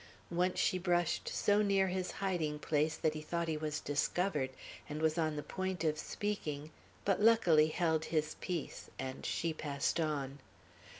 Once she brushed so near his hiding place that he thought he was discovered, and was on the point of speaking, but luckily held his peace, and she passed on.